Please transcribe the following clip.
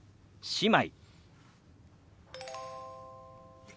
姉妹。